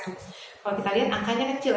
nah kalau kita lihat laporannya di negara negara lain